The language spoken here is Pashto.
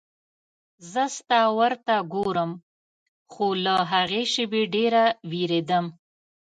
زه ستا ور ته ګورم خو له هغې شېبې ډېره وېرېدم.